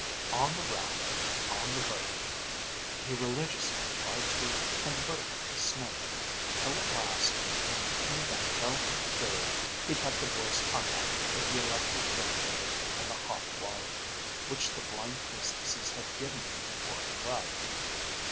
On the raft, on the boat, he religiously tried to 'convert' Snake, till at last, in evangelical fury, he cut the boy's tongue out with the electric generator and the hot wire which the blind priestesses had given him before he left.